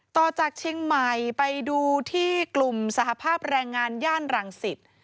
ต่อจากเชียงใหม่ไปดูที่กลุ่มสหภาพแรงงานย่านรังสิต